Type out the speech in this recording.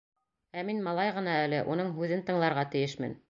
Ә мин малай ғына әле, уның һүҙен тыңларға тейешмен.